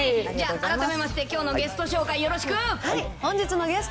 じゃあ、改めまして、きょうのゲスト紹介、よろしく。